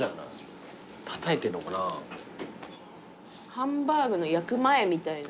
ハンバーグの焼く前みたいな。